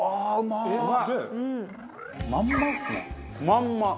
まんま。